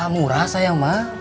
murah sayang mah